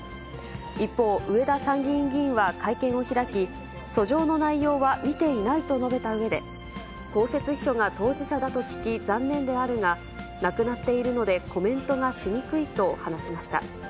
一方、上田参議院議員は会見を開き、訴状の内容は見ていないと述べたうえで、公設秘書が当事者だと聞き残念であるが、亡くなっているので、コメントがしにくいと話しました。